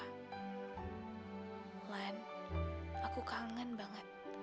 alain aku kangen banget